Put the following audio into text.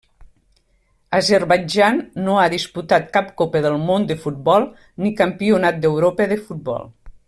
Azerbaidjan no ha disputat cap Copa del Món de Futbol ni Campionat d'Europa de futbol.